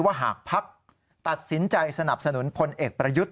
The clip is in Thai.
หากภักดิ์ตัดสินใจสนับสนุนพลเอกประยุทธ์